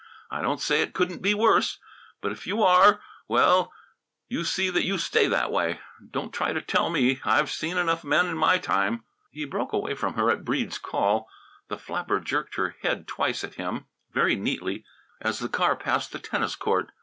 I don't say it couldn't be worse. But if you are well, you see that you stay that way. Don't try to tell me. I've seen enough of men in my time " He broke away from her at Breede's call. The flapper jerked her head twice at him, very neatly, as the car passed the tennis court.